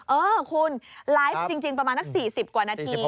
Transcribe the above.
เออคุณไลฟ์จริงประมาณนัก๔๐กว่านาที